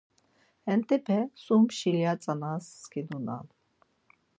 Hentepe sum şilya tzanas skidunan.